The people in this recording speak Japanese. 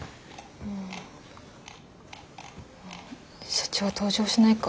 社長は登場しないか。